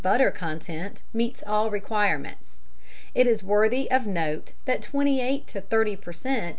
butter content meets all requirements. It is worthy of note that 28 to 30 per cent.